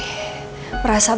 bisa berhutang sama mama